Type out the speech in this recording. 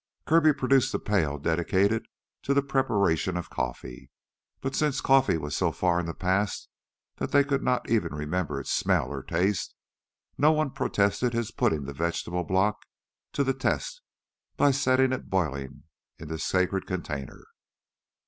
Kirby produced the pail dedicated to the preparation of coffee. But since coffee was so far in the past they could not even remember its smell or taste, no one protested his putting the vegetable block to the test by setting it boiling in the sacred container.